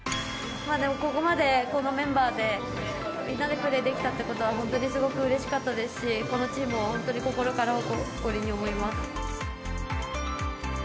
ここまでこのメンバーでみんなでプレーできたってことは本当にすごくうれしかったですし、このチームを本当に心から誇りに思います。